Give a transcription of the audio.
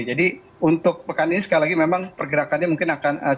jadi untuk pekan ini sekali lagi memang pergerakannya mungkin akan cukup besar